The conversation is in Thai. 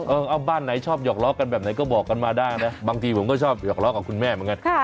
เอาบ้านไหนชอบหอกล้อกันแบบไหนก็บอกกันมาได้นะบางทีผมก็ชอบหอกล้อกับคุณแม่เหมือนกัน